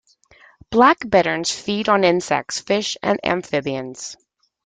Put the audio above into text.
Black bitterns feed on insects, fish, and amphibians.